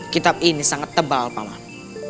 kitab ini sangat tebal paman